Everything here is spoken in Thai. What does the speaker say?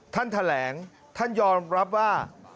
ท่านแถลงท่านยอมรับว่า